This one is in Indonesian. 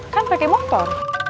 kan pake motor